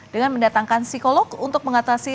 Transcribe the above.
dengan mendatangkan psikolog untuk mengatasi